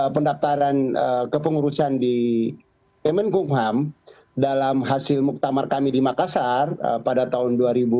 pendaftaran kepengurusan di mnkuk ham dalam hasil muktamar kami di makassar pada tahun